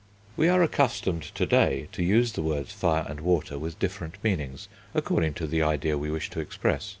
We are accustomed to day to use the words fire and water with different meanings, according to the ideas we wish to express.